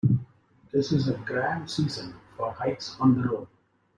This is a grand season for hikes on the road.